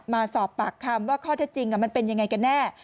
มาสอบปากคำว่าข้อเท็จจริงมันเป็นยังไงกันแน่